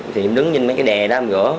thì em đứng trên mấy cái đè đó em gỡ